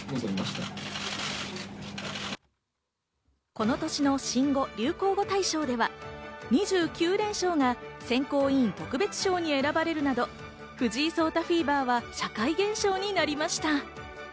この年の新語・流行語大賞には、「２９連勝」が選考委員特別賞に選ばれるなど、藤井聡太フィーバーは社会現象になりました。